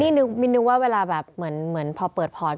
นี่มินนึกว่าเวลาแบบเหมือนพอเปิดพอร์ต